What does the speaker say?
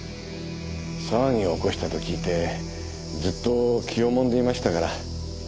騒ぎを起こしたと聞いてずっと気をもんでいましたから。